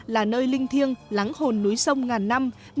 là nơi linh thiêng lắng hồn núi sông ngàn năm